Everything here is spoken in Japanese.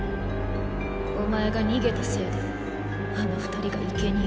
お前が逃げたせいであの２人が生贄に。